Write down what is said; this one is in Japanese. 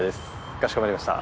かしこまりました。